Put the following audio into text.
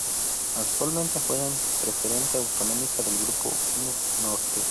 Actualmente juega en Preferente Autonómica del Grupo I Norte.